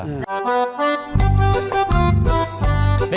ชะมอลล่ะ